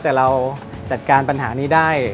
แต่เราจัดการปัญหานี้ได้